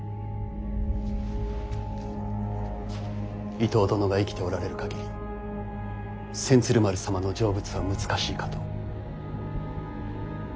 伊東殿が生きておられる限り千鶴丸様の成仏は難しいかと。